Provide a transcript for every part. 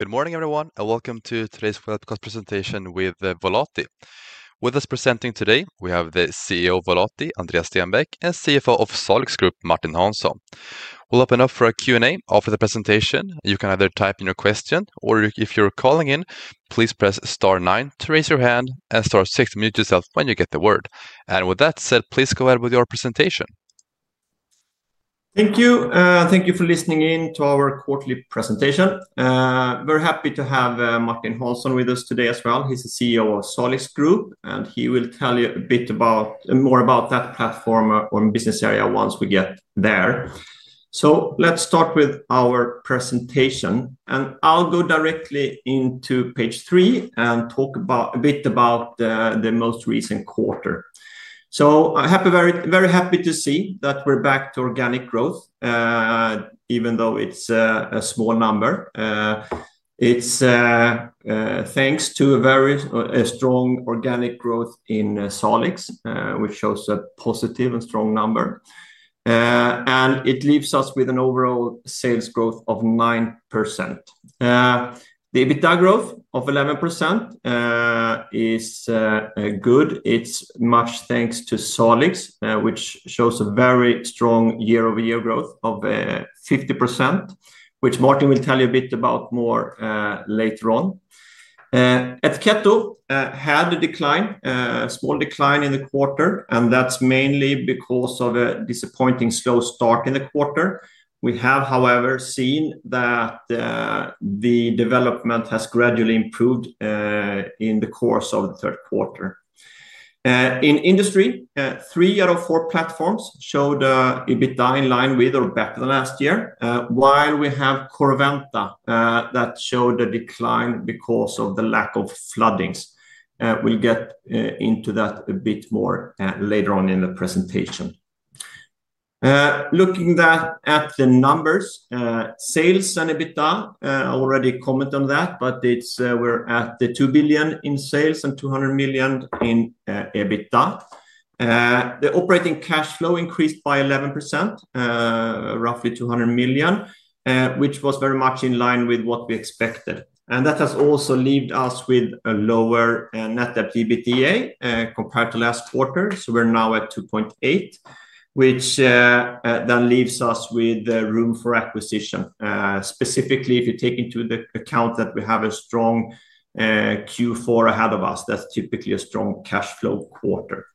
Good morning, everyone, and welcome to today's product cost presentation with Volati. With us presenting today, we have the CEO of Volati, Andreas Stenbäck, and CFO of Salix Group, Martin Aronsson. We'll open up for a Q&A after the presentation. You can either type in your question, or if you're calling in, please press star nine to raise your hand and star six to mute yourself when you get the word. With that said, please go ahead with your presentation. Thank you. Thank you for listening in to our quarterly presentation. We're happy to have Martin Aronsson with us today as well. He's the CEO of Salix Group, and he will tell you a bit more about that platform or business area once we get there. Let's start with our presentation, and I'll go directly into page three and talk a bit about the most recent quarter. I'm very happy to see that we're back to organic growth, even though it's a small number. It's thanks to a very strong organic growth in Salix Group, which shows a positive and strong number. It leaves us with an overall sales growth of 9%. The EBITDA growth of 11% is good. It's much thanks to Salix Group, which shows a very strong year-over-year growth of 50%, which Martin will tell you a bit about more later on. At Etiketto, we had a decline, a small decline in the quarter, and that's mainly because of a disappointing slow start in the quarter. We have, however, seen that the development has gradually improved in the course of the third quarter. In Industry, three out of four platforms showed EBITDA in line with or better than last year, while we have Corroventa that showed a decline because of the lack of floodings. We'll get into that a bit more later on in the presentation. Looking at the numbers, sales and EBITDA already commented on that, but we're at 2 billion in sales and 200 million in EBITDA. The operating cash flow increased by 11%, roughly 200 million, which was very much in line with what we expected. That has also left us with a lower net debt to EBITDA compared to last quarter. We're now at 2.8, which then leaves us with room for acquisition. Specifically, if you take into account that we have a strong Q4 ahead of us, that's typically a strong cash flow quarter.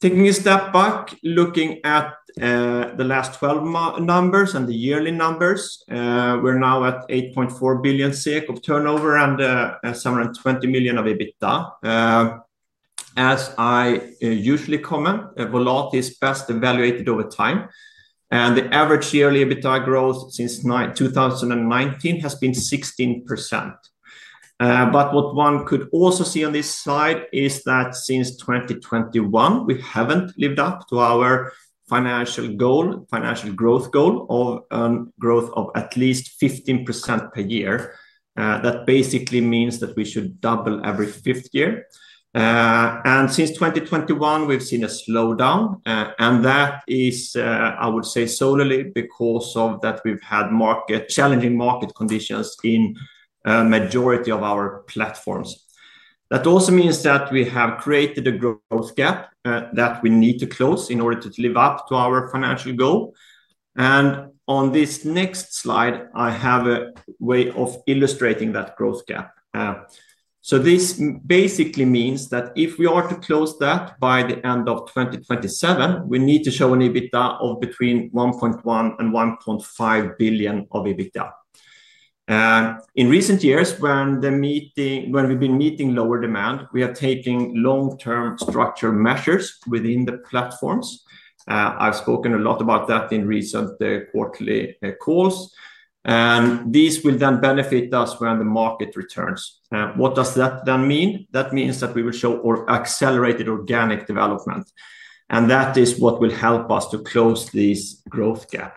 Taking a step back, looking at the last 12 months' numbers and the yearly numbers, we're now at 8.4 billion SEK of turnover and 720 million of EBITDA. As I usually comment, Volati is best evaluated over time, and the average yearly EBITDA growth since 2019 has been 16%. What one could also see on this slide is that since 2021, we haven't lived up to our financial growth goal of a growth of at least 15% per year. That basically means that we should double every fifth year. Since 2021, we've seen a slowdown, and that is, I would say, solely because we've had challenging market conditions in the majority of our platforms. That also means that we have created a growth gap that we need to close in order to live up to our financial goal. On this next slide, I have a way of illustrating that growth gap. This basically means that if we are to close that by the end of 2027, we need to show an EBITDA of between 1.1 billion and 1.5 billion of EBITDA. In recent years, when we've been meeting lower demand, we have taken long-term structural measures within the platforms. I've spoken a lot about that in recent quarterly calls. These will then benefit us when the market returns. What does that then mean? That means that we will show accelerated organic development. That is what will help us to close this growth gap.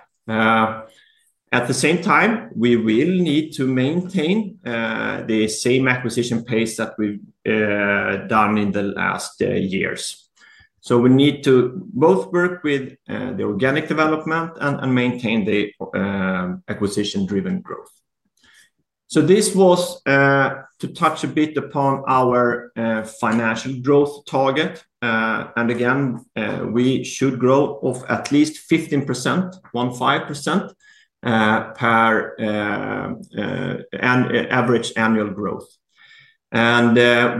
At the same time, we will need to maintain the same acquisition pace that we've done in the last years. We need to both work with the organic development and maintain the acquisition-driven growth. This was to touch a bit upon our financial growth target. Again, we should grow at least 15% per average annual growth.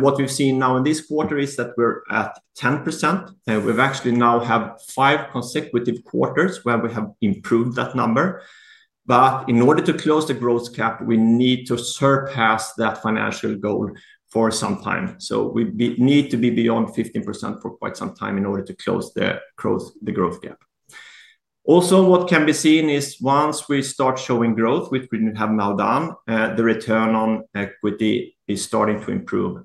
What we've seen now in this quarter is that we're at 10%. We've actually now had five consecutive quarters where we have improved that number. In order to close the growth gap, we need to surpass that financial goal for some time. We need to be beyond 15% for quite some time in order to close the growth gap. Also, what can be seen is once we start showing growth, which we have now done, the return on equity is starting to improve.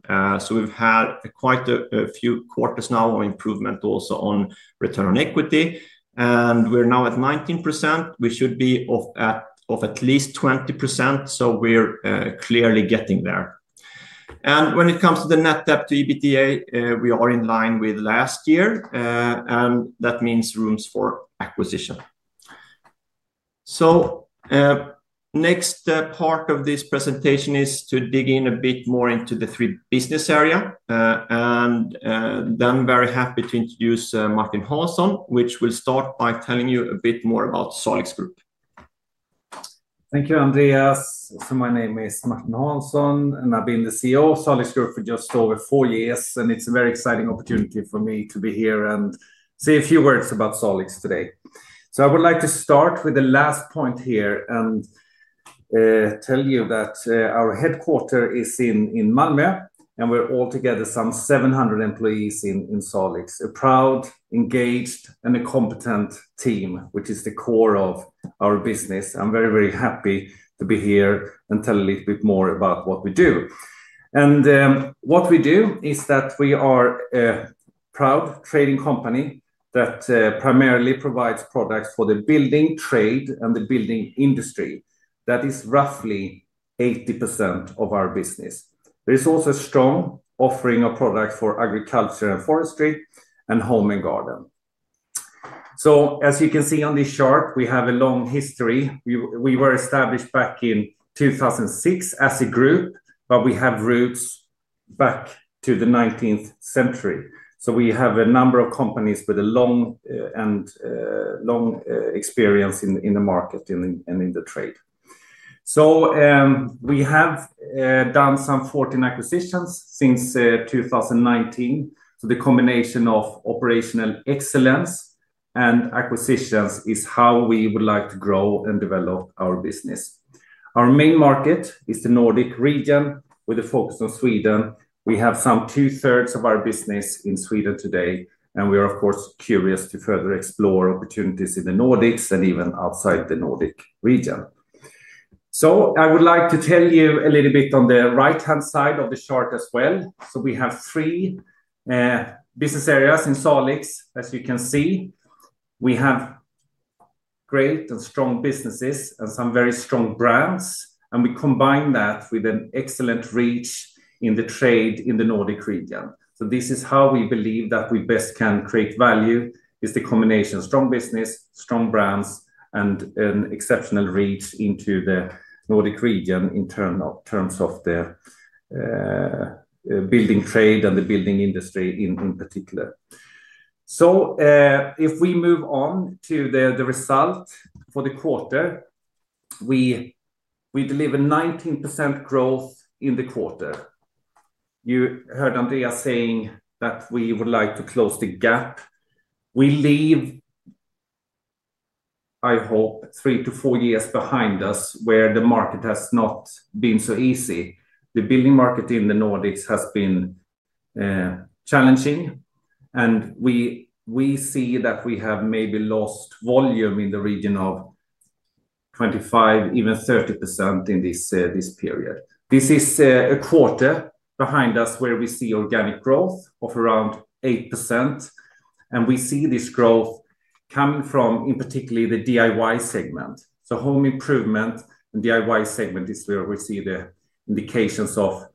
We've had quite a few quarters now of improvement also on return on equity. We're now at 19%. We should be at at least 20%. We're clearly getting there. When it comes to the net debt to EBITDA, we are in line with last year. That means room for acquisition. The next part of this presentation is to dig in a bit more into the three business areas. I am very happy to introduce Martin Aronsson, who will start by telling you a bit more about Salix Group. Thank you, Andreas. My name is Martin Aronsson, and I've been the CEO of Salix Group for just over four years. It's a very exciting opportunity for me to be here and say a few words about Salix Group today. I would like to start with the last point here and tell you that our headquarters is in Malmö, and we're altogether some 700 employees in Salix Group. A proud, engaged, and a competent team, which is the core of our business. I'm very, very happy to be here and tell a little bit more about what we do. What we do is that we are a proud trading company that primarily provides products for the building trade and the building industry. That is roughly 80% of our business. There is also a strong offering of products for agriculture and forestry and home and garden. As you can see on this chart, we have a long history. We were established back in 2006 as a group, but we have roots back to the 19th century. We have a number of companies with long experience in the market and in the trade. We have done some 14 acquisitions since 2019. The combination of operational excellence and acquisitions is how we would like to grow and develop our business. Our main market is the Nordic region with a focus on Sweden. We have some two-thirds of our business in Sweden today. We are, of course, curious to further explore opportunities in the Nordics and even outside the Nordic region. I would like to tell you a little bit on the right-hand side of the chart as well. We have three business areas in Salix Group. As you can see, we have great and strong businesses and some very strong brands. We combine that with an excellent reach in the trade in the Nordic region. This is how we believe that we best can create value, the combination of strong business, strong brands, and an exceptional reach into the Nordic region in terms of the building trade and the building industry in particular. If we move on to the result for the quarter, we deliver 19% growth in the quarter. You heard Andreas saying that we would like to close the gap. We leave, I hope, three to four years behind us where the market has not been so easy. The building market in the Nordics has been challenging. We see that we have maybe lost volume in the region of 25%, even 30% in this period. This is a quarter behind us where we see organic growth of around 8%. We see this growth coming from, in particular, the DIY segment. The home improvement and DIY segment is where we see the indications of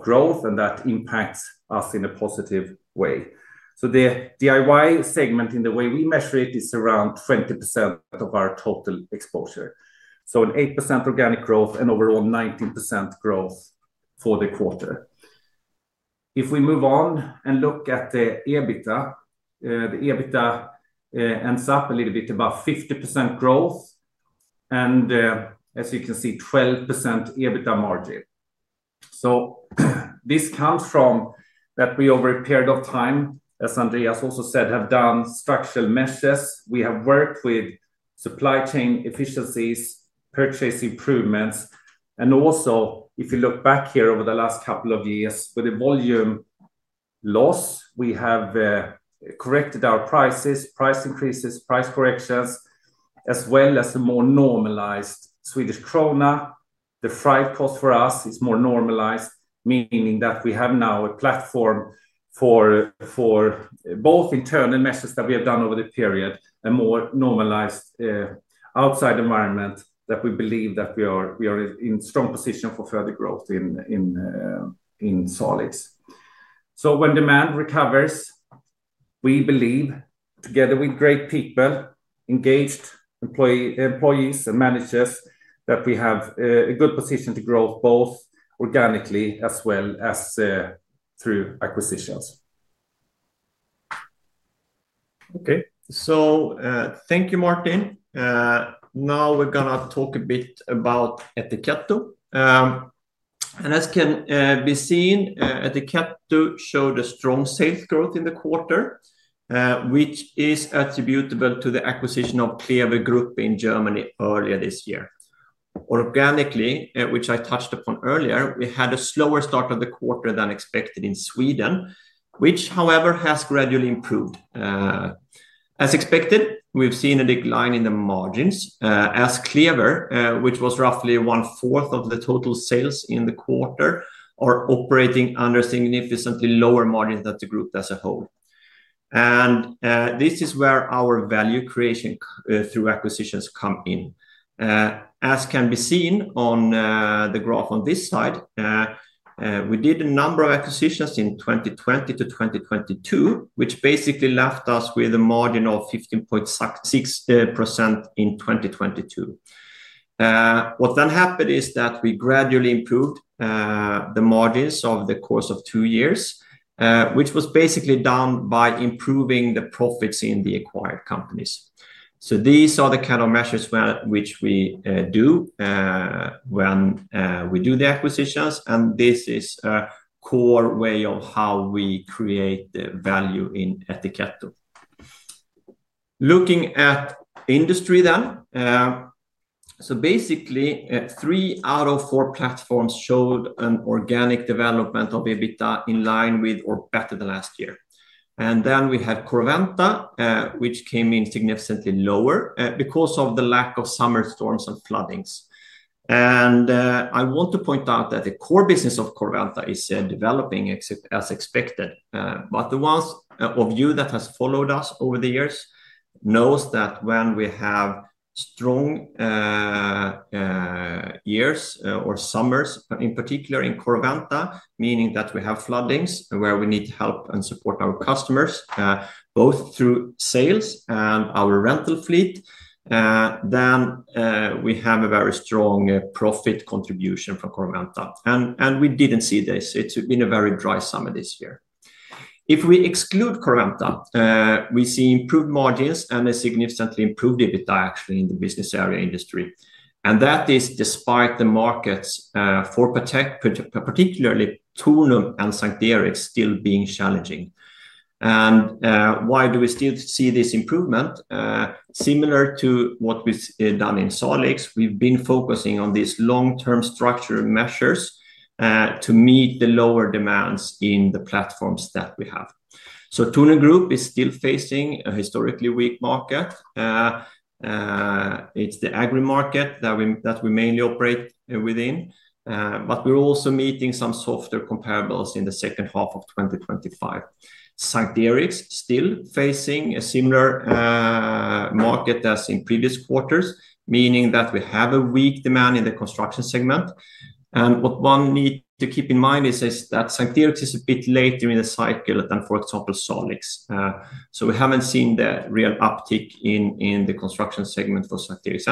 growth, and that impacts us in a positive way. The DIY segment, in the way we measure it, is around 20% of our total exposure. An 8% organic growth and overall 19% growth for the quarter. If we move on and look at the EBITDA, the EBITDA ends up a little bit above 50% growth. As you can see, 12% EBITDA margin. This comes from that we over a period of time, as Andreas also said, have done structural measures. We have worked with supply chain efficiencies, purchase improvements, and also, if you look back here over the last couple of years with the volume loss, we have corrected our prices, price increases, price corrections, as well as a more normalized Swedish krona. The FRAB cost for us is more normalized, meaning that we have now a platform for both internal measures that we have done over the period and a more normalized outside environment that we believe that we are in a strong position for further growth in Salix Group. When demand recovers, we believe, together with great people, engaged employees and managers, that we have a good position to grow both organically as well as through acquisitions. Thank you, Martin. Now we're going to talk a bit about Etiketto. As can be seen, Etiketto showed a strong sales growth in the quarter, which is attributable to the acquisition of Cleever Group in Germany earlier this year. Organically, which I touched upon earlier, we had a slower start of the quarter than expected in Sweden, which, however, has gradually improved. As expected, we've seen a decline in the margins, as Cleever, which was roughly one-fourth of the total sales in the quarter, are operating under significantly lower margins than the group as a whole. This is where our value creation through acquisitions comes in. As can be seen on the graph on this side, we did a number of acquisitions in 2020 to 2022, which basically left us with a margin of 15.6% in 2022. What then happened is that we gradually improved the margins over the course of two years, which was basically done by improving the profits in the acquired companies. These are the kind of measures which we do when we do the acquisitions. This is a core way of how we create value in Etiketto. Looking at Industry then, basically, three out of four platforms showed an organic development of EBITDA in line with or better than last year. We had Corroventa, which came in significantly lower because of the lack of summer storms and floodings. I want to point out that the core business of Corroventa is developing as expected. The ones of you that have followed us over the years know that when we have strong years or summers, in particular in Corroventa, meaning that we have floodings where we need to help and support our customers both through sales and our rental fleet, we have a very strong profit contribution from Corroventa. We didn't see this. It's been a very dry summer this year. If we exclude Corroventa, we see improved margins and a significantly improved EBITDA, actually, in the business area Industry. That is despite the markets for Etiketto, particularly Tornum Group and S:t Eriks, still being challenging. Why do we still see this improvement? Similar to what we've done in Salix Group, we've been focusing on these long-term structural measures to meet the lower demands in the platforms that we have. Tornum Group is still facing a historically weak market. It's the agri market that we mainly operate within. We're also meeting some softer comparables in the second half of 2025. S:t Eriks is still facing a similar market as in previous quarters, meaning that we have a weak demand in the construction segment. What one needs to keep in mind is that S:t Eriks is a bit later in the cycle than, for example, Salix Group. We haven't seen the real uptick in the construction segment for S:t Eriks,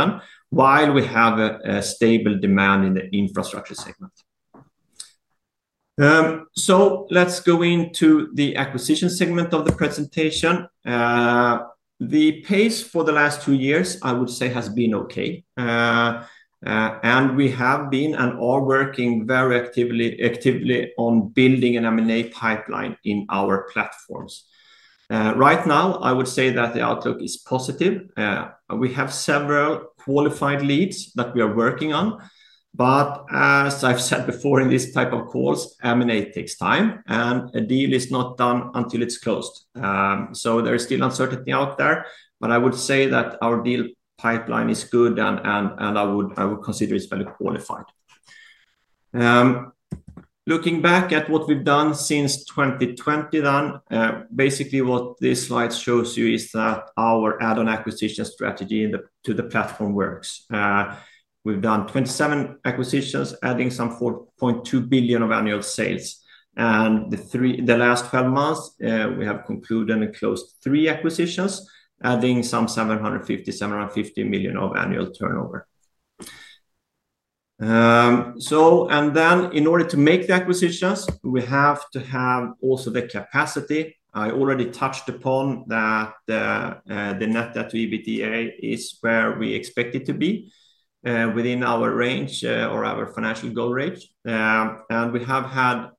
while we have a stable demand in the infrastructure segment. Let's go into the acquisition segment of the presentation. The pace for the last two years, I would say, has been okay. We have been and are working very actively on building an M&A pipeline in our platforms. Right now, I would say that the outlook is positive. We have several qualified leads that we are working on. As I've said before in these types of calls, M&A takes time, and a deal is not done until it's closed. There is still uncertainty out there. I would say that our deal pipeline is good, and I would consider it's very qualified. Looking back at what we've done since 2020, basically, what this slide shows you is that our add-on acquisition strategy to the platform works. We've done 27 acquisitions, adding some 4.2 billion of annual sales. In the last 12 months, we have concluded and closed three acquisitions, adding some 750 million of annual turnover. In order to make the acquisitions, we have to have also the capacity. I already touched upon that the net debt to EBITDA is where we expect it to be within our range or our financial goal range. We have had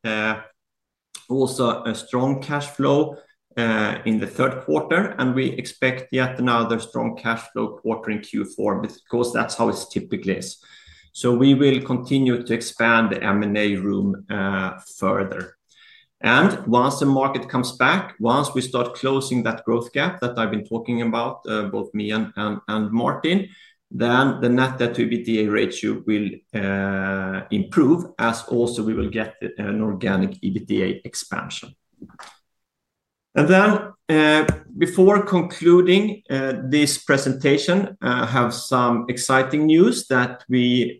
also a strong cash flow in the third quarter, and we expect yet another strong cash flow quarter in Q4 because that's how it typically is. We will continue to expand the M&A room further. Once the market comes back, once we start closing that growth gap that I've been talking about, both me and Martin, the net debt to EBITDA ratio will improve as also we will get an organic EBITDA expansion. Before concluding this presentation, I have some exciting news that we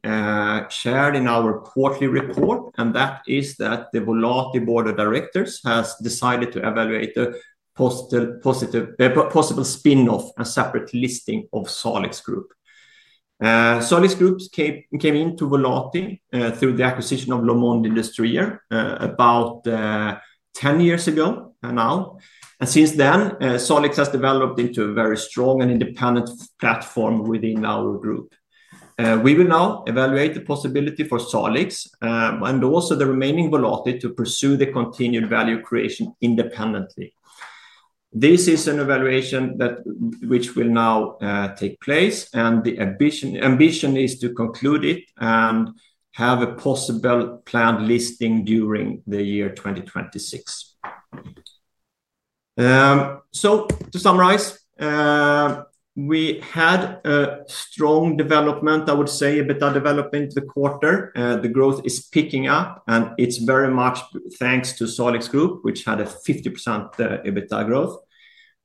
shared in our quarterly report, and that is that the Volati Board of Directors has decided to evaluate a possible spin-off and separate listing of Salix Group. Salix Group came into Volati through the acquisition of Le Monde Industriel about 10 years ago now. Since then, Salix Group has developed into a very strong and independent platform within our group. We will now evaluate the possibility for Salix Group and also the remaining Volati to pursue the continued value creation independently. This is an evaluation which will now take place, and the ambition is to conclude it and have a possible planned listing during the year 2026. To summarize, we had a strong development, I would say, EBITDA development in the quarter. The growth is picking up, and it's very much thanks to Salix Group, which had a 50% EBITDA growth.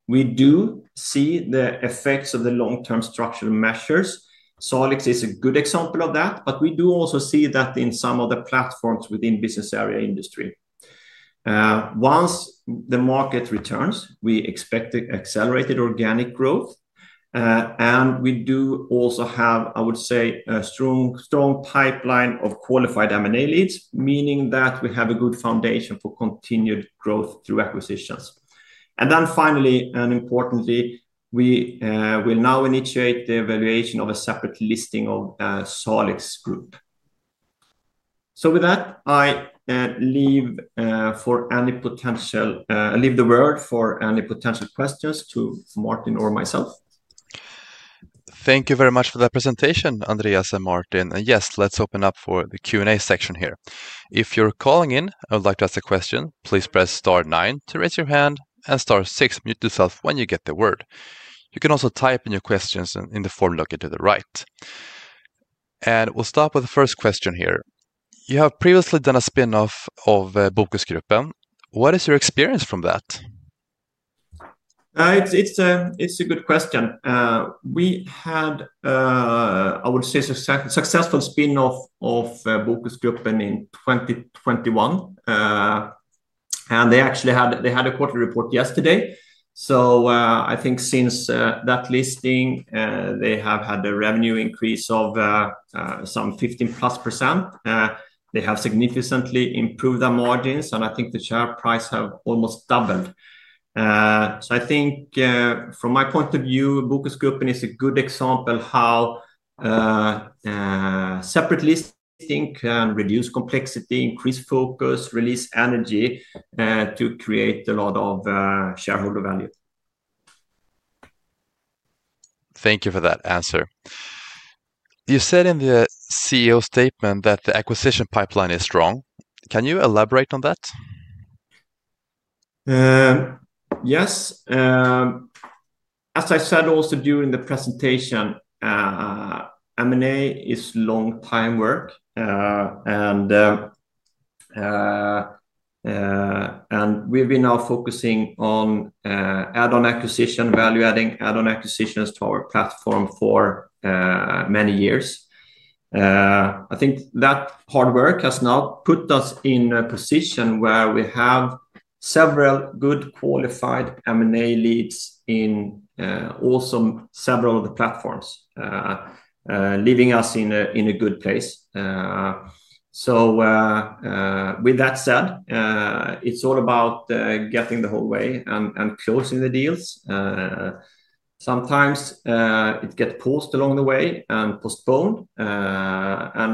We do see the effects of the long-term structural measures. Salix Group is a good example of that, but we do also see that in some of the platforms within the business area industry. Once the market returns, we expect accelerated organic growth. We do also have, I would say, a strong pipeline of qualified M&A leads, meaning that we have a good foundation for continued growth through acquisitions. Finally, and importantly, we will now initiate the evaluation of a separate listing of Salix Group. With that, I leave the word for any potential questions to Martin or myself. Thank you very much for that presentation, Andreas and Martin. Yes, let's open up for the Q&A section here. If you're calling in and would like to ask a question, please press star nine to raise your hand and star six to mute yourself when you get the word. You can also type in your questions in the form located to the right. We'll start with the first question here. You have previously done a spin-off of Bokusgruppen. What is your experience from that? It's a good question. We had, I would say, a successful spin-off of Bokusgruppen in 2021. They actually had a quarterly report yesterday. I think since that listing, they have had a revenue increase of some 15+%. They have significantly improved their margins, and I think the share price has almost doubled. From my point of view, Bokusgruppen is a good example of how separate listing can reduce complexity, increase focus, release energy to create a lot of shareholder value. Thank you for that answer. You said in the CEO statement that the acquisition pipeline is strong. Can you elaborate on that? Yes. As I said also during the presentation, M&A is long-time work. We've been now focusing on add-on acquisition, value-adding add-on acquisitions to our platform for many years. I think that hard work has now put us in a position where we have several good qualified M&A leads in also several of the platforms, leaving us in a good place. With that said, it's all about getting the whole way and closing the deals. Sometimes it gets paused along the way and postponed.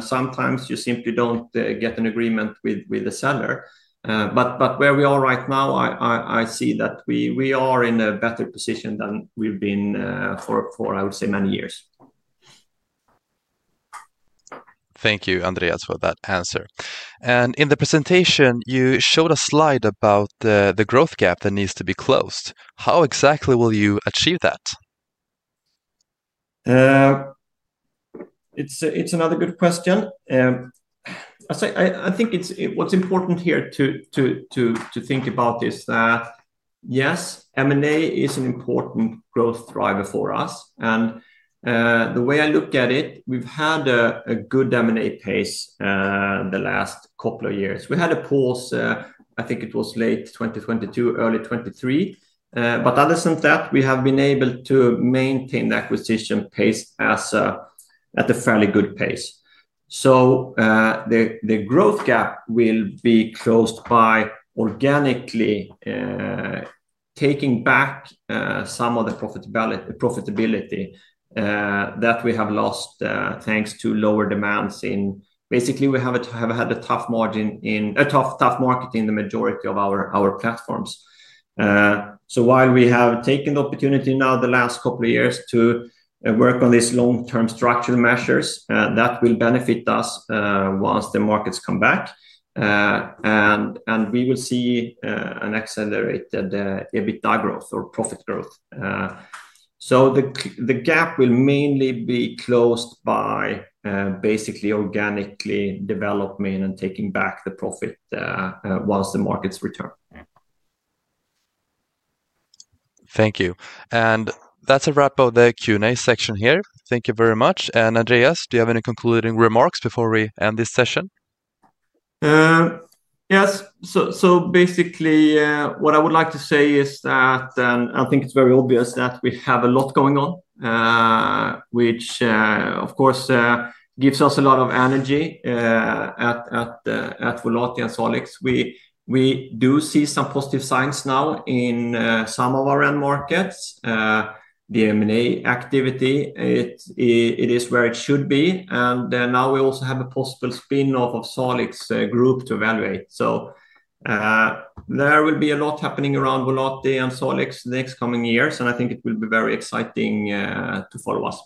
Sometimes you simply don't get an agreement with the seller. Where we are right now, I see that we are in a better position than we've been for, I would say, many years. Thank you, Andreas, for that answer. In the presentation, you showed a slide about the growth gap that needs to be closed. How exactly will you achieve that? It's another good question. I think what's important here to think about is that, yes, M&A is an important growth driver for us. The way I look at it, we've had a good M&A pace the last couple of years. We had a pause, I think it was late 2022, early 2023. Other than that, we have been able to maintain the acquisition pace at a fairly good pace. The growth gap will be closed by organically taking back some of the profitability that we have lost thanks to lower demands in, basically, we have had a tough market in the majority of our platforms. While we have taken the opportunity now the last couple of years to work on these long-term structural measures, that will benefit us once the markets come back. We will see an accelerated EBITDA growth or profit growth. The gap will mainly be closed by basically organically development and taking back the profit once the markets return. Thank you. That's a wrap of the Q&A section here. Thank you very much. Andreas, do you have any concluding remarks before we end this session? Yes. Basically, what I would like to say is that, and I think it's very obvious that we have a lot going on, which, of course, gives us a lot of energy at Volati and Salix Group. We do see some positive signs now in some of our end markets. The M&A activity is where it should be. Now we also have a possible spin-off of Salix Group to evaluate. There will be a lot happening around Volati and Salix Group in the next coming years. I think it will be very exciting to follow us.